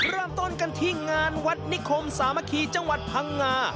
เริ่มต้นกันที่งานวัดนิคมสามัคคีจังหวัดพังงา